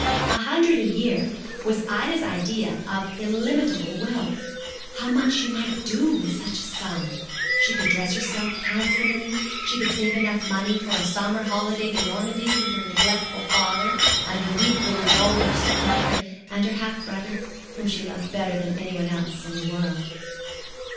A hundred a year was Ida's idea of illimitable wealth. How much she might do with such a sum! She could dress herself handsomely, she could save enough money for a summer holiday in Normandy with her neglectful father and her weak little vulgar step mother, and the half brother, whom she loved better than anyone else in the world.